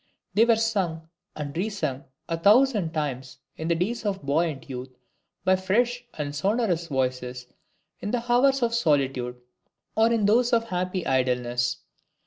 They were sung and re sung a thousand times in the days of buoyant youth, by fresh and sonorous voices, in the hours of solitude, or in those of happy idleness.